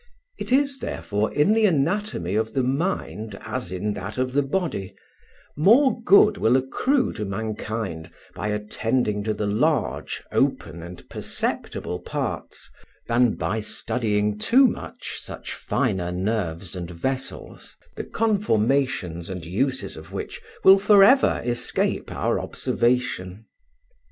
It is therefore in the anatomy of the Mind as in that of the Body; more good will accrue to mankind by attending to the large, open, and perceptible parts, than by studying too much such finer nerves and vessels, the conformations and uses of which will for ever escape our observation.